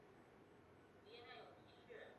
那么首先要去密西西比州汉考克县！